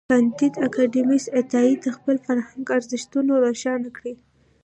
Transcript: کانديد اکاډميسن عطايي د خپل فرهنګ ارزښتونه روښانه کړي دي.